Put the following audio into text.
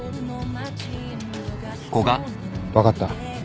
分かった。